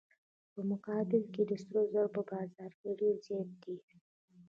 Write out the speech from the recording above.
په مقابل کې سره زر په بازار کې ډیر زیات دي.